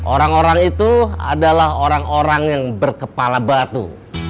orang orang itu adalah orang orang yang berkepala batu